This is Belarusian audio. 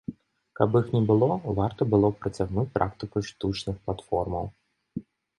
Каб іх не было, варта было б працягнуць практыку штучных платформаў.